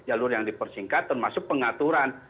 jalur yang dipersingkat termasuk pengaturan